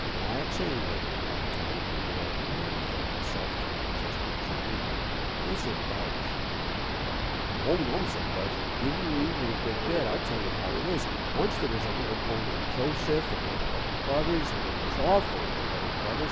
"That's ain't it," remarked Toddie, with the air of a man who felt himself to be unjustly treated. "Is it, Budge?" "Oh, no," said Budge, "you didn't read it good a bit; I'll tell you how it is. Once there was a little boy named Joseph, an' he had eleven budders they was awful eleven budders.